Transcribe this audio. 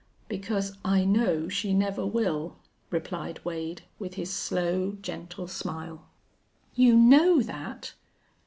"Because I know she never will," replied Wade, with his slow, gentle smile. "You know that?"